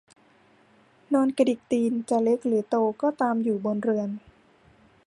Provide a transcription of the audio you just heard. นอนกระดิกตีนจะเล็กหรือโตก็ตามอยู่บนเรือน